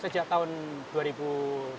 pemerintah kota juga harus menyambung